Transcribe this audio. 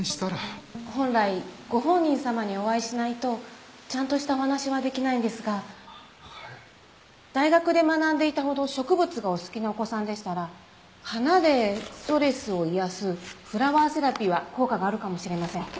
本来ご本人様にお会いしないとちゃんとしたお話はできないんですが大学で学んでいたほど植物がお好きなお子さんでしたら花でストレスを癒やすフラワーセラピーは効果があるかもしれません。